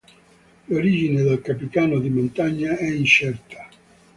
L'origine del Capitano di Montagna è incerta.